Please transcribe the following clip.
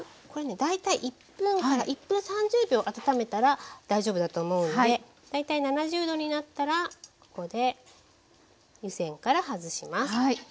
これね大体１分１分３０秒温めたら大丈夫だと思うので大体７０℃になったらここで湯煎から外します。